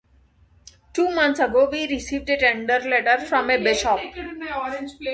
Two months ago we received a tender letter from a bishop.